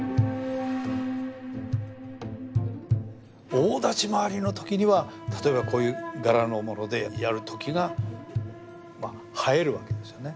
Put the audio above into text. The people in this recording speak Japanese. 大立ち回りの時には例えばこういう柄のものでやる時が映えるわけですね。